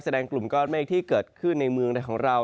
แสดงกลุ่มก็ไม่ได้ที่เกิดขึ้นในเมืองของเรา